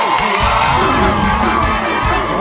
โทษให้โทษให้โทษให้โทษให้โทษให้โทษให้